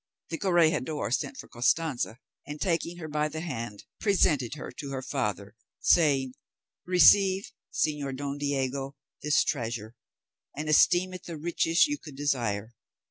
The corregidor sent for Costanza, and taking her by the hand, presented her to her father, saying, "Receive, Señor Don Diego, this treasure, and esteem it the richest you could desire.